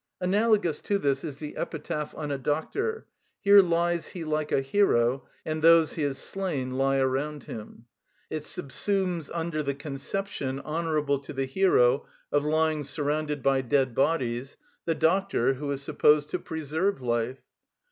Analogous to this is the epitaph on a doctor: "Here lies he like a hero, and those he has slain lie around him;" it subsumes under the conception, honourable to the hero, of "lying surrounded by dead bodies," the doctor, who is supposed to preserve life.